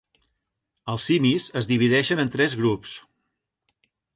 Els simis es divideixen en tres grups.